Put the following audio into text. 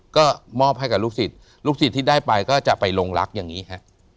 ก็มอบให้กับลูกศิษย์ลูกศิษย์ที่ได้ไปก็จะไปลงรักอย่างนี้ฮะ